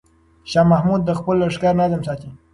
شاه محمود د خپل لښکر نظم ساتي.